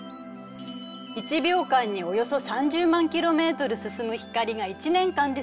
１秒間におよそ３０万ｋｍ進む光が１年間で進む距離が１光年。